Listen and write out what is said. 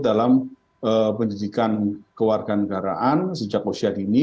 dalam pendidikan kewarganegaraan sejak usia dini